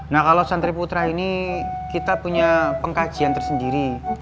nah kalau santri putra ini kita punya pengkajian tersendiri